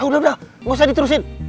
udah udah gak usah diterusin